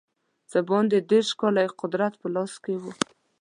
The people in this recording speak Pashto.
څه باندې دېرش کاله یې قدرت په لاس کې وو.